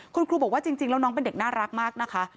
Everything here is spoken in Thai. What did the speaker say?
คุณครูบอกว่าจริงแล้วน้องเป็นเด็กน่ารักมากนะคะ